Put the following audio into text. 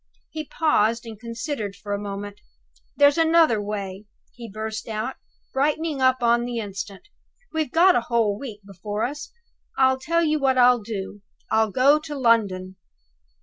He paused, and considered for a moment. "There's another way!" he burst out, brightening up on the instant. "We've got the whole week before us. I'll tell you what I'll do, I'll go to London!"